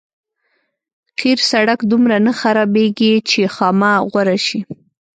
قیر سړک دومره نه خرابېږي چې خامه غوره شي.